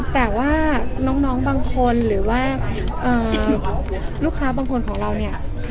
แต่ว่าน้องบางคนหรือว่าลูกค้าบางคนของเราเนี่ย